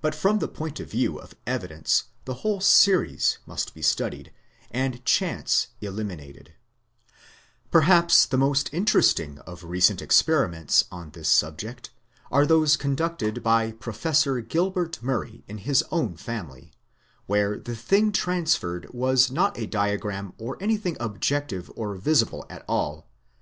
But from the point of view of evidence the whole series must be studied, and chance eliminated. Perhaps the most interesting of recent experiments on this subject are those conducted by Professor Gilbert Murray in his own family, where the thing transferred was not a diagram or anything objective or visible at all, but an event or scene silently thought of by one of those present.